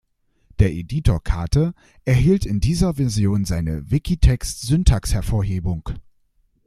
Der Editor Kate erhielt in dieser Version eine Wikitext-Syntaxhervorhebung.